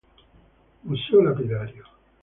Museo lapidario